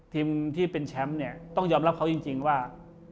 ทีมที่เป็นแชมป์เนี่ยต้องยอมรับเขาจริงว่า